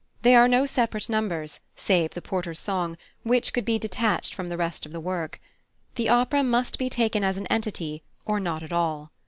There are no separate numbers, save the Porter's song, which could be detached from the rest of the work. The opera must be taken as an entity or not at all.